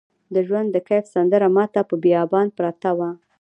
د ژوند د کیف سندره ماته په بیابان پرته وه